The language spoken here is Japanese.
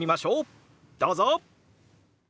どうぞ！